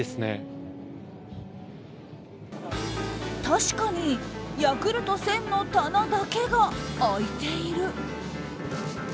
確かに、ヤクルト１０００の棚だけが空いている。